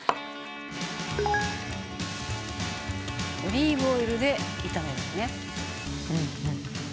「オリーブオイルで炒めるのね」